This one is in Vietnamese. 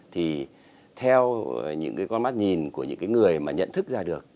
thì theo những cái con mắt nhìn của những cái người mà nhận thức ra được